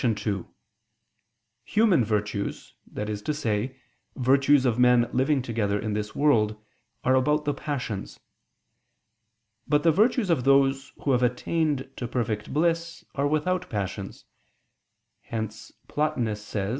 2: Human virtues, that is to say, virtues of men living together in this world, are about the passions. But the virtues of those who have attained to perfect bliss are without passions. Hence Plotinus says (Cf.